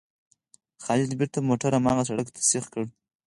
خالد بېرته موټر هماغه سړک ته سیخ کړ.